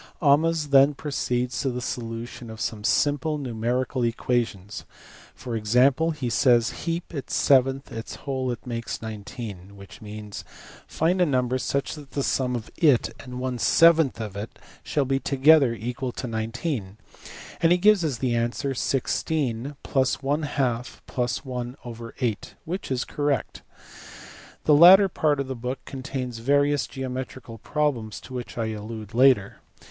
Ahmes then proceeds to the solution of some simple numerical equations. For example, he says " heap, its seventh, its whole, it makes nineteen," which means find a number such that the sum of it and one seventh of it shall be together equal to 19; and he gives as the answer 16 + J +|, which is correct. The latter part of the book contains various geometrical problems to which I allude later.